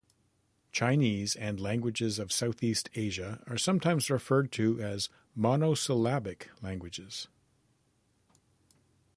Chinese and languages of Southeast Asia are sometimes referred to as monosyllabic languages.